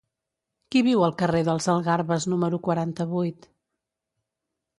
Qui viu al carrer dels Algarves número quaranta-vuit?